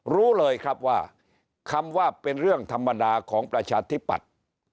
รู้เลยครับว่าคำว่าเป็นเรื่องธรรมดาของประชาธิปัตย์